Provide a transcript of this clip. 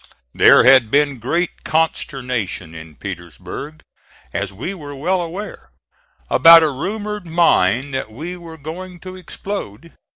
There had been great consternation in Petersburg, as we were well aware, about a rumored mine that we were going to explode.